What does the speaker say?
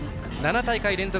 ７大会連続